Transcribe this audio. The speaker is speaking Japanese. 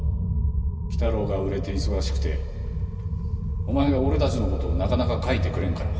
「鬼太郎」が売れて忙しくてお前が俺たちの事をなかなか描いてくれんから。